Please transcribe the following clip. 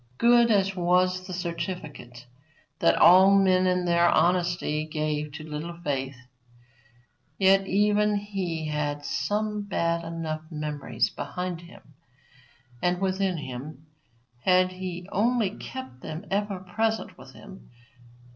Good as was the certificate that all men in their honesty gave to Little Faith, yet even he had some bad enough memories behind him and within him had he only kept them ever present with him.